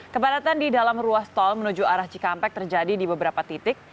kepadatan di dalam ruas tol menuju arah cikampek terjadi di beberapa titik